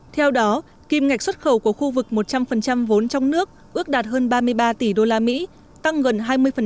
theo đó kim ngạch xuất khẩu của khu vực một trăm linh vốn trong nước ước đạt hơn ba mươi ba tỷ usd tăng gần hai mươi